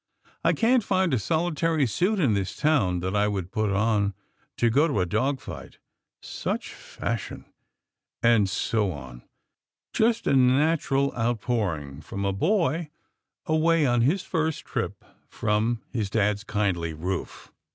I can't find a solitary suit in this town that I would put on to go to a dog fight! Such fashion!" and so on; just a natural outpouring from a boy, away on his first trip from his Dad's kindly roof.